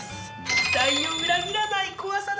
期待を裏切らないこわさだな。